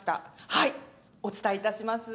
はいお伝えいたします。